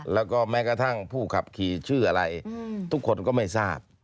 แล้วก็แม้กระทั่งผู้ขับขี่ชื่ออะไรทุกคนก็ไม่ทราบ